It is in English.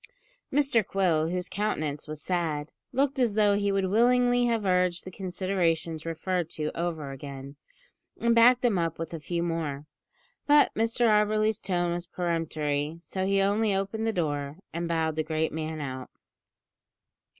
Mr Quill, whose countenance was sad, looked as though he would willingly have urged the considerations referred to over again, and backed them up with a few more; but Mr Auberly's tone was peremptory, so he only opened the door, and bowed the great man out.